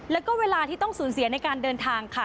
แล้วก็เวลาที่ต้องสูญเสียในการเดินทางค่ะ